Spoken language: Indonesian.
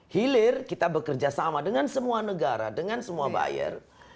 hilir kita bekerja sama dengan semua negara dengan semua buyer